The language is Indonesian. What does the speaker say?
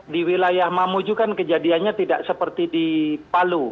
di wilayah mamuju kan kejadiannya tidak seperti di palu